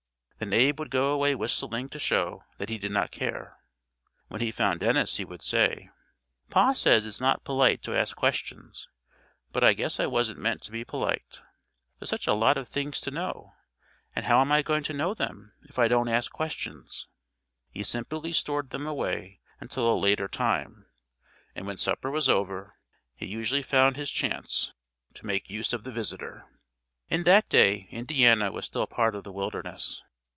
Then Abe would go away whistling to show that he did not care. When he found Dennis he would say, "Pa says it's not polite to ask questions, but I guess I wasn't meant to be polite. There's such a lot of things to know, and how am I going to know them if I don't ask questions?" He simply stored them away until a later time, and when supper was over he usually found his chance to make use of the visitor. In that day Indiana was still part of the wilderness.